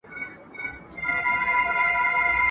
چي سي طوق د غلامۍ د چا په غاړه ..